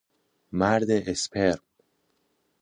مرد اسپرم